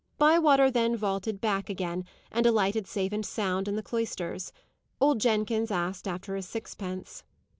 Bywater then vaulted back again, and alighted safe and sound in the cloisters. Old Jenkins asked for his sixpence.